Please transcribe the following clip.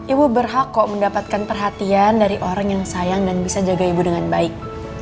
ibu berhak kok mendapatkan perhatian dari orang yang sayang dan bisa jaga ibu dengan baik